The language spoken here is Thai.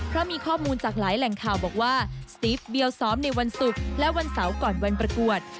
เพราะมีข้อมูลจากหลายแหล่งข่าวบอกว่าสติฟเดียวซ้อมในวันศุกร์และวันเสาร์ก่อนวันประกวด